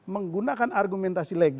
menggunakan argumentasi lainnya